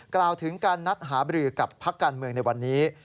กล่าวถึงการนัดหาบรือกับพักการเมืองในวันนี้